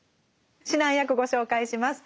指南役ご紹介します。